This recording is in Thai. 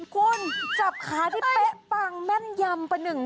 คุณจับขาที่เป๊ะปังแม่นยำประหนึ่ง